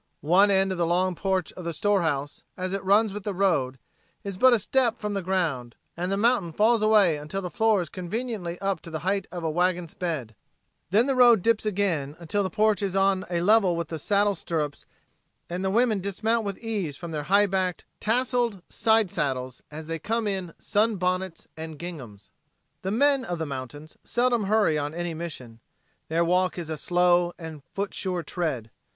One end of the long porch of the store house, as it runs with the road, is but a step from the ground, and the mountain falls away until the floor is conveniently up to the height of a wagon's bed; then the road dips again until the porch is on a level with the saddle stirrups and the women dismount with ease from their high backed, tasseled side saddles as they come in sunbonnets and ginghams. The men of the mountains seldom hurry on any mission. Their walk is a slow and foot sure tread.